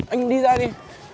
anh đi ra đi